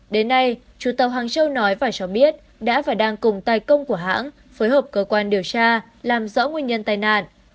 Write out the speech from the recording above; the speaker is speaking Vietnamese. đến nay chủ tàu hàng châu nói và cho biết đã và đang cùng tài công của hãng phối hợp cơ quan điều tra làm rõ nguyên nhân tai nạn